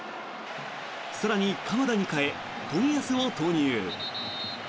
更に鎌田に代え、冨安を投入。